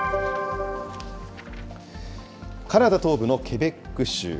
カナダ東部のケベック州。